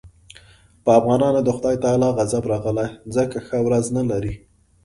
په افغانانو د خدای تعالی غضب راغلی ځکه ښه ورځ نه لري.